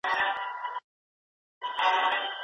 ماليه څنګه د دولتي چارو د پرمخبيولو لپاره کارول کېږي؟